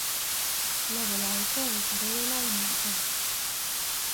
Lobu laiku es beju laimeiga.